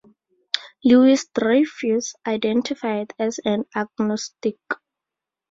Louis-Dreyfus identified as an agnostic.